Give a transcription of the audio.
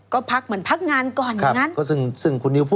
ก็พักเหมือนพักงานก่อนอย่างนั้น